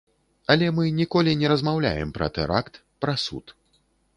Але мы ніколі не размаўляем пра тэракт, пра суд.